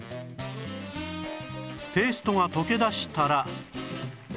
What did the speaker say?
ペーストが溶け出したら